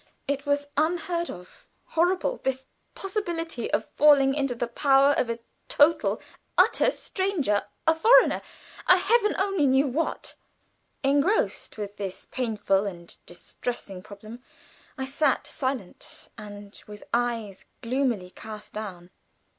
It was unheard of, horrible, this possibility of falling into the power of a total, utter stranger a foreigner a Heaven only knew what! Engrossed with this painful and distressing problem, I sat silent, and with eyes gloomily cast down.